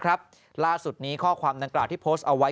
ล่าสุดนี้ข้อความดังกล่าวที่โพสต์เอาไว้